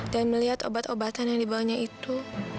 dan melihat obat obatan yang dibawanya itu